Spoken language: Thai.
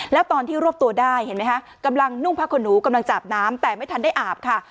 แล้วตอนที่รวบตัวได้เห็นไหมคะกำลังนุ่งผ้าขนหนูกำลังจาบน้ำแต่ไม่ทันได้อาบค่ะ